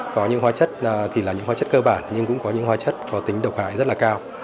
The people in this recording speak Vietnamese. có những hóa chất thì là những hóa chất cơ bản nhưng cũng có những hóa chất có tính độc hại rất là cao